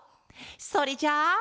それじゃあ。